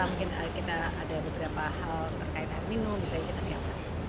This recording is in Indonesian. mungkin kita ada beberapa hal terkait air minum bisa kita siapkan